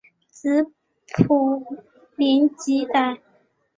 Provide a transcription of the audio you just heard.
子卜怜吉歹。